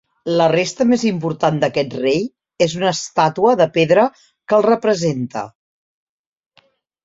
La resta més important d'aquest rei és una estàtua de pedra que el representa.